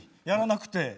やらなくて。